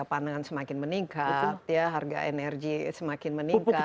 harga pandangan semakin meningkat harga energi semakin meningkat